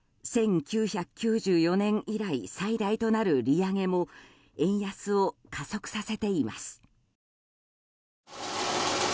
１９９４年以来最大となる利上げも円安を加速させています。